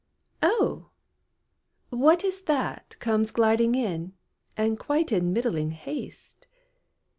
"Oh! what is that comes gliding in, And quite in middling haste?